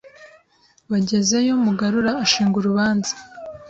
Bagezeyo Mugarura ashinga urubanza,